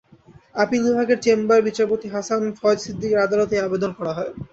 Appeal বিভাগের chamber বিচারপতি হাসান ফয়েজ সিদ্দিকীর আদালতে এ আবেদন করা হয়।